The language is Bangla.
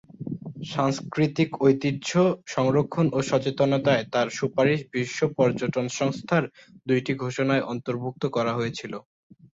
সাংস্কৃতিক ঐতিহ্য সংরক্ষণ ও সচেতনতায় তার সুপারিশ বিশ্ব পর্যটন সংস্থার দুইটি ঘোষণায় অন্তর্ভুক্ত করা হয়েছিল।